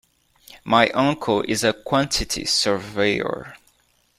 My uncle is a quantity surveyor